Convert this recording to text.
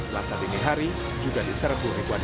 selasa dini hari juga diserbu ribuan